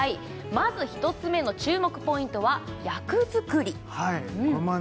まず１つ目の注目ポイントは役づくりはいまあ